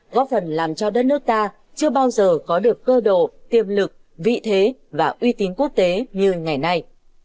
góp phần làm cho đất nước ta chưa bao giờ có được cơ độ tiềm lực vị thế và uy tín quốc tế như ngày nay